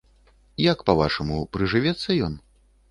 Як па-вашаму, прыжывецца ён?